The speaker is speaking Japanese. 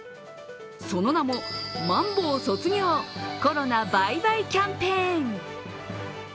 その名も、まん防卒業コロナバイバイキャンペーン。